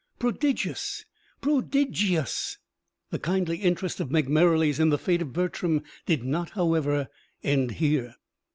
prodigious! pro di gi ous!" The kindly interest of Meg Merrilies in the fate of Bertram did not, however, end here.